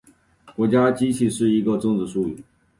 国家机器是一个政治术语。